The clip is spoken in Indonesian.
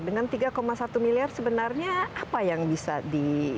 dengan tiga satu miliar sebenarnya apa yang bisa di